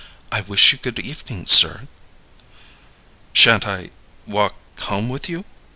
"I wish you good evening, sir." "Sha'n't I walk home with you?"